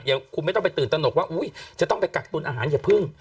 คุณไม่ต้องไปตื่นตนกว่าอุ้ยจะต้องไปกักตุลอาหารอย่าพึ่ง